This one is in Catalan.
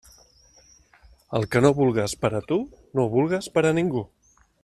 El que no vulgues per a tu, no ho vulgues per a ningú.